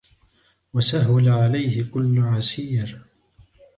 وَسَهُلَ عَلَيْهِ كُلُّ عَسِيرٍ